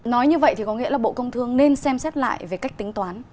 nói như vậy thì có nghĩa là bộ công thương nên xem xét lại về cách tính toán